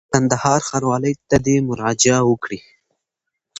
کندهار ښاروالۍ ته دي مراجعه وکړي.